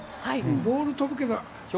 ボールは飛ぶけど。